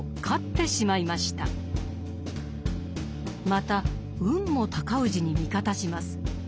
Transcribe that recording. また運も尊氏に味方します。